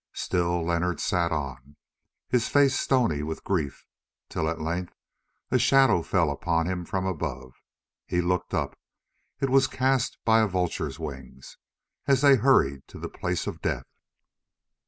Still Leonard sat on, his face stony with grief, till at length a shadow fell upon him from above. He looked up—it was cast by a vulture's wings, as they hurried to the place of death.